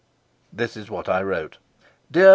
This is what I wrote: DEAR MRS.